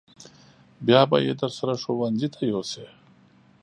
بیا به یې درسره ښوونځي ته یوسې.